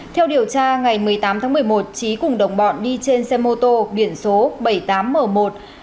theo điều tra ngày một mươi tám tháng một mươi một trí cùng đồng bọn đi trên xe mô tô điển số bảy mươi tám m một hai mươi một nghìn sáu trăm bốn mươi